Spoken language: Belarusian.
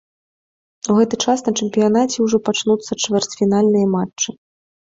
У гэты час на чэмпіянаце ўжо пачнуцца чвэрцьфінальныя матчы.